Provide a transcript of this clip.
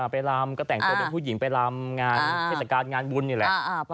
ไปลำก็แต่งตัวเป็นผู้หญิงไปลำงานเทศกาลงานบุญนี่แหละ